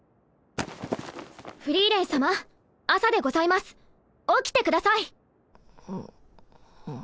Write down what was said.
フリーレン様朝でございます起きてください！んん。